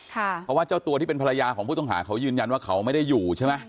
เพราะว่าเจ้าตัวที่เป็นภรรยาของผู้ต้องหาเขายืนยันว่าเขาไม่ได้อยู่ใช่ไหม